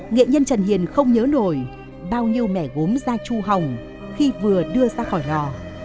nghệ nhân trần hiền không nhớ nổi bao nhiêu mẻ gốm ra chu hồng khi vừa đưa ra khỏi ngò